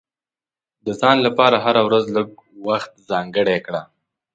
د ځان لپاره هره ورځ لږ وخت ځانګړی کړه.